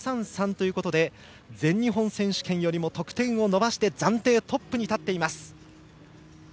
ということで全日本選手権よりも得点を伸ばして暫定トップに立っています。